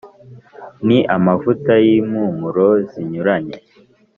ni amavuta y’impumuro zinyuranye.